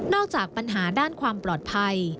จากปัญหาด้านความปลอดภัย